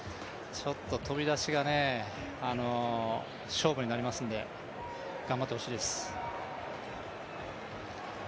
飛び出しが勝負になりますので頑張ってほしいです。